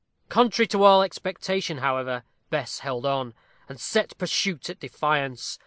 Contrary to all expectation, however, Bess held on, and set pursuit at defiance.